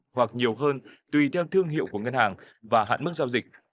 hoặc nhiều hơn tùy theo thương hiệu của ngân hàng và hạn mức giao dịch